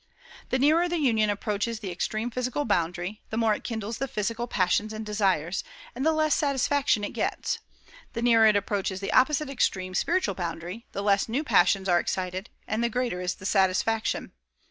"The nearer the union approaches the extreme physical boundary, the more it kindles the physical passions and desires, and the less satisfaction it gets; the nearer it approaches the opposite extreme spiritual boundary, the less new passions are excited and the greater is the satisfaction.